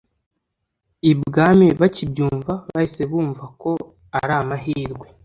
I bwami bakibyumva, bahise bumva ko ari amahirwe